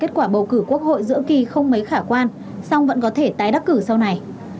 kết quả bầu cử quốc hội giữa kỳ không mấy khả quan song vẫn có thể tái đắc cử sau này